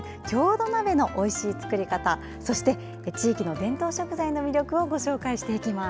土鍋のおいしい作り方そして、地域の伝統食材の魅力をご紹介していきます。